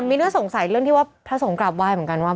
แต่มินจะสงสัยเรื่องราวภาษกราบไหว้เหมือนกัน